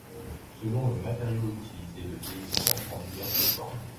Selon le matériau utilisé, le vieillissement prend diverses formes.